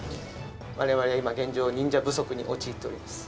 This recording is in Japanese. われわれ今、現状、忍者不足に陥っております。